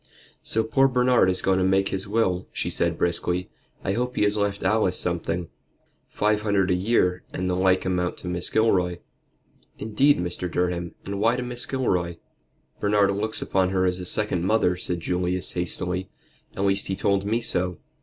"So poor Bernard is going to make his will," she said briskly. "I hope he has left Alice something." "Five hundred a year, and the like amount to Mrs. Gilroy." "Indeed, Mr. Durham; and why to Mrs. Gilroy?" "Bernard looks upon her as a second mother," said Julius, hastily; "at least he told me so.